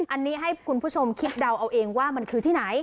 อันนี้ให้คุณผู้ชมคิดเดาเอาเองว่ามันคือที่ไหน